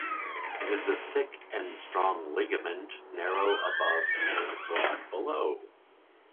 It is a thick and strong ligament, narrow above and broad below.